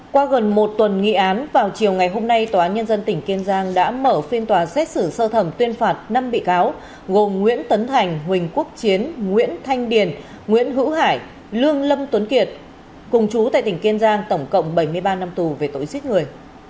qua gần một tuần nghị án vào chiều ngày hôm nay tòa án nhân dân tỉnh kiên giang đã mở phiên tòa xét xử sơ thẩm tuyên phạt năm bị cáo gồm nguyễn tấn thành huỳnh quốc chiến nguyễn thanh điền nguyễn hữu hải lương lâm tuấn kiệt cùng chú tại tỉnh kiên giang tổng cộng bảy mươi ba năm tù về tội giết người